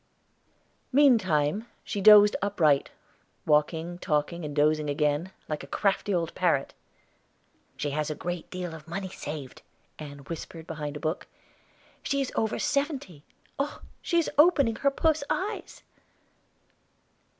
Meantime she dozed upright, walking, talking, and dozing again, like a crafty old parrot. "She has a great deal of money saved," Ann whispered behind a book. "She is over seventy. Oh, she is opening her puss eyes!"